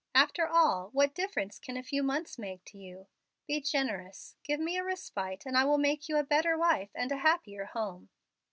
After all, what difference can a few months make to you? Be generous. Give me a respite, and I will make you a better wife and a happier home."